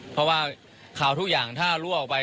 เพราะว่าข่าวทุกอย่างถ้ารั่วออกไป